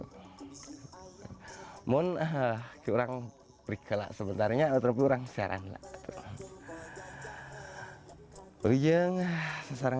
hai monahn orang klia sementaranya ot stuff se pumps enjoying pesaran